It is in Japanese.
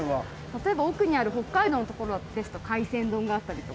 例えば奥にある北海道の所ですと海鮮丼があったりとか。